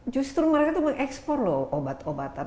justru mereka itu mengeksplor loh obat obatan